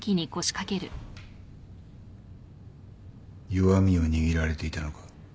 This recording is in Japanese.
弱みを握られていたのか？